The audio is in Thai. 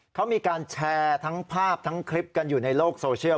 เขามีการแชร์ทั้งภาพทั้งคลิปกันอยู่ในโลกโซเชียล